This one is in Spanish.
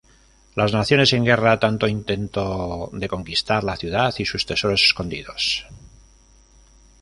Las naciones en guerra tanto intento de conquistar la ciudad y sus tesoros escondidos.